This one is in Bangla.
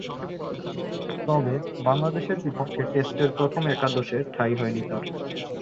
তবে, বাংলাদেশের বিপক্ষে টেস্টের প্রথম একাদশে ঠাঁই হয়নি তার।